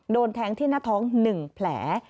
โดนแทงที่หน้าท้อง๑แผล